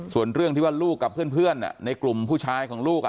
ส่วนเรื่องที่ว่าลูกกับเพื่อนในกลุ่มผู้ชายของลูก